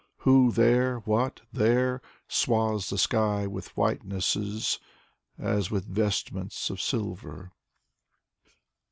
Who, there, what, there, Swathes the sky with whitenesses, As with vestments of silver?"